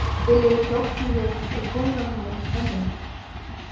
Elle est torturée et condamnée à mort.